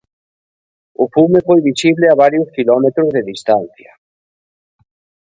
O fume foi visible a varios quilómetros de distancia.